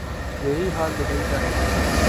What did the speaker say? یہی حال دوبئی کا ہے۔